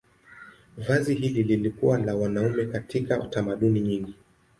Vazi hili lilikuwa la wanaume katika tamaduni nyingi.